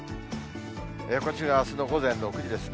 こちらはあすの午前６時ですね。